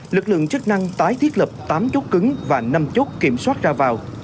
lực lượng chức năng tái thiết lập tám chốt cứng và năm chốt kiểm soát ra vào